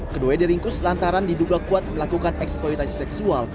keduanya diringkus lantaran diduga kuat melakukan eksploitasi seksual